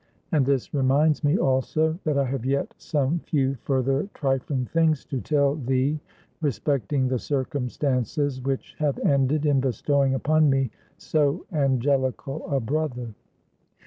And this reminds me also that I have yet some few further trifling things to tell thee respecting the circumstances which have ended in bestowing upon me so angelical a brother."